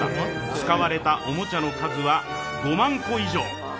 使われたおもちゃの数は５万個以上。